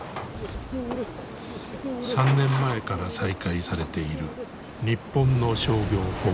３年前から再開されている日本の商業捕鯨。